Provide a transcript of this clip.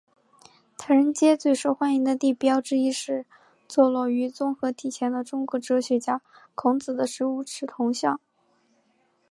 唐人街最受欢迎的地标之一是坐落于综合体前的中国哲学家孔子的十五尺铜像。